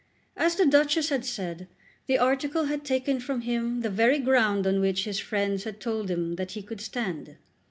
As the Duchess had said, the article had taken from him the very ground on which his friends had told him that he could stand.